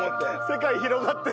世界広がって。